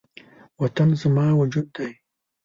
وطن زما وجود دی